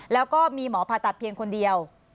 แล้วก็มีหมอผ่าตัดเพียงคนเดียว